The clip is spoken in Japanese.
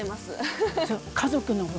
家族の分？